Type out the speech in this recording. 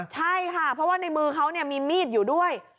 ใช่ค่ะเพราะว่าในมือเขามีมีดอยู่ด้วย